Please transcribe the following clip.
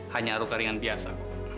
hanya ruka ringan biasa